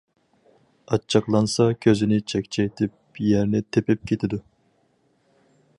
ئاچچىقلانسا كۆزنى چەكچەيتىپ، يەرنى تېپىپ كېتىدۇ.